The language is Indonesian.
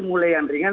mulai yang ringan